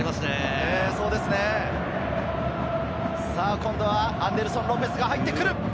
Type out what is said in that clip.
今度はアンデルソン・ロペスが入ってくる。